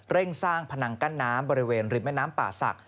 สร้างพนังกั้นน้ำบริเวณริมแม่น้ำป่าศักดิ